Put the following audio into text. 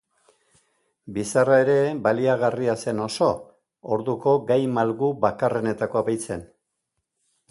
Bizarra ere baliagarria zen oso, orduko gai malgu bakarrenetakoa baitzen.